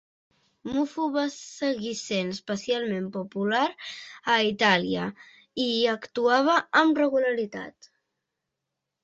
Moffo va seguir sent especialment popular a Itàlia i hi actuava amb regularitat.